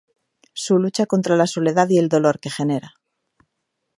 Su lucha contra la soledad y el dolor que genera.